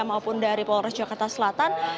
maupun dari polres jakarta selatan